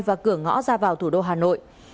và cửa ngõ ra vào thủ đô hà nội